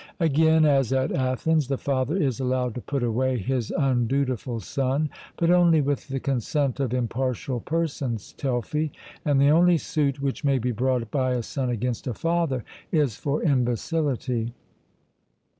Again, as at Athens, the father is allowed to put away his undutiful son, but only with the consent of impartial persons (Telfy), and the only suit which may be brought by a son against a father is for imbecility.